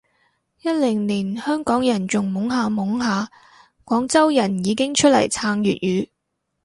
一零年香港人仲懵下懵下，廣州人已經出嚟撐粵語